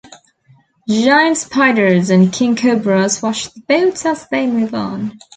Giant spiders and king cobras watch the boats as they move on.